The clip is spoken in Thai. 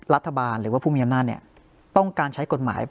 รัฐบาลหรือว่าผู้มีอำนาจต้องการใช้กฎหมาย